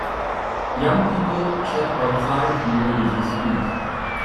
Young people chat outside near a buzy street.